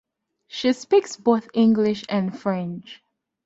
She speaks both English and French.